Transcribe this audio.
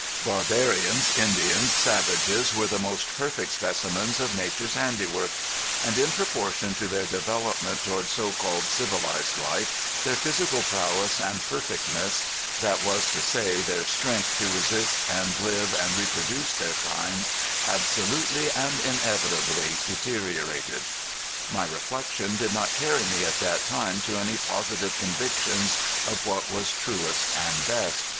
Barbarians, Indians, savages were the most perfect specimens of nature's handiwork; and in proportion to their development toward so called civilized life their physical prowess and perfectness that was to say, their strength to resist and live and reproduce their kind absolutely and inevitably deteriorated. My reflection did not carry me at that time to any positive convictions of what was truest and best.